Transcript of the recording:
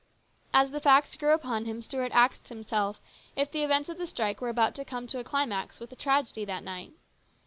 As the facts grew upon him, Stuart asked himself if the events of the strike were about to come to a climax with a tragedy that night.